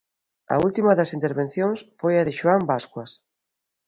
A última das intervencións foi a de Xoán Bascuas.